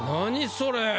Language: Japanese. それ。